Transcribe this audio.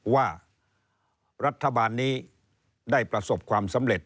ว่ารัฐบาลนี้ได้ประสบความสำเร็จ